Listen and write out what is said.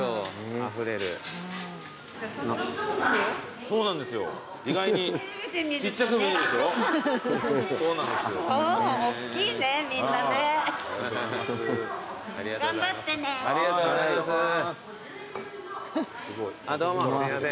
あっどうもすいません。